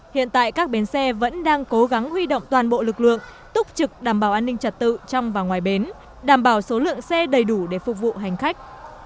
hiện tại các bến xe vẫn đang cố gắng huy động toàn bộ lực lượng túc trực đảm bảo an ninh trật tự trong và ngoài bến đảm bảo số lượng xe đầy đủ để phục vụ hành khách